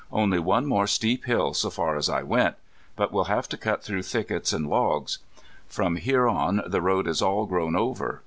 "Only one more steep hill so far as I went. But we'll have to cut through thickets and logs. From here on the road is all grown over.